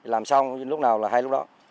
lúc nào là hay lúc đó